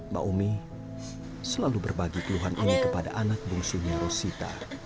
maomi selalu berbagi keluhan ini kepada anak bungsunya rosita